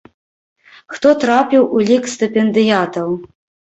Хто трапіў у лік стыпендыятаў?